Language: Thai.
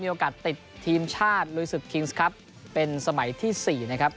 โอกาสติดทีมชาติลุยศึกคิงส์ครับเป็นสมัยที่๔นะครับ